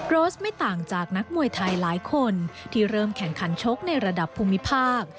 โรสไม่ต่างจากนักมวยไทยหลายคนที่เริ่มแข่งขันชกในระดับภูมิภาค